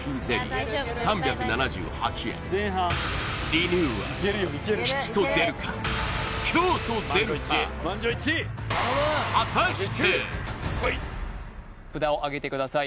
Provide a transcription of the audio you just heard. リニューアルは吉と出るか凶と出るか札をあげてください